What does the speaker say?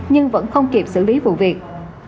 nhưng vẫn không kịp xử lý vụ việc